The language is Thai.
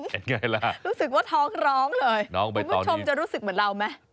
เห็นไงล่ะคุณผู้ชมจะรู้สึกเหมือนเราไหมรู้สึกว่าท้องร้องเลย